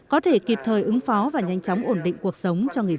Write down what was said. có thể kịp thời ứng phó và nhanh chóng ổn định cuộc sống cho người dân